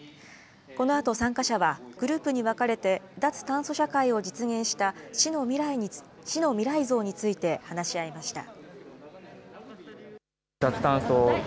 このあと参加者はグループに分かれて、脱炭素社会を実現した市の未来像について話し合いました。